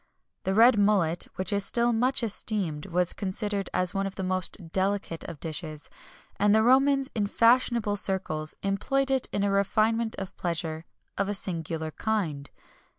The red mullet, which is still much esteemed, was considered as one of the most delicate of dishes, and the Romans in fashionable circles employed it in a refinement of pleasure of a singular kind.